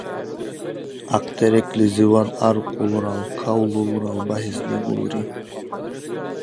Ахътереклизивад аркьулрал, кавлулрал багьес дигулри.